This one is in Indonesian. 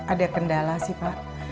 ada kendala sih pak